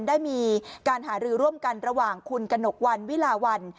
ได้มีการหารือร่วมกันระหว่างคุณกระหนกวันวิลาวัน